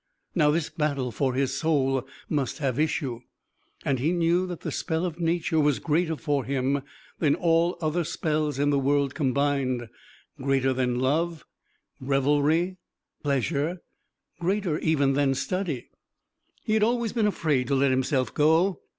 Now this battle for his soul must have issue. And he knew that the spell of Nature was greater for him than all other spells in the world combined greater than love, revelry, pleasure, greater even than study. He had always been afraid to let himself go.